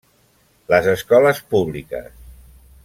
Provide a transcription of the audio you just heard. Les escoles públiques.